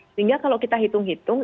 sehingga kalau kita hitung hitung